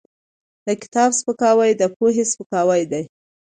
د کتاب سپکاوی د پوهې سپکاوی دی.